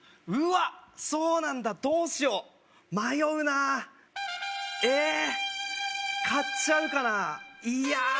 うわっそうなんだどうしよう迷うなあえ買っちゃうかないや